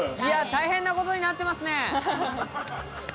大変な事になってますね。